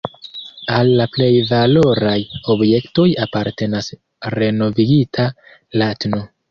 Al la plej valoraj objektoj apartenas renovigita, la tn.